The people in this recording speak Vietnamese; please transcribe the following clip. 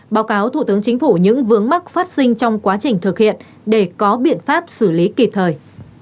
báo cáo thủ tướng chính phủ những vướng mắc phát sinh trong quá trình thực hiện để có biện pháp xử lý kịp thời